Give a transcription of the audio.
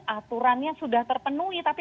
aturannya sudah terpenuhi tapi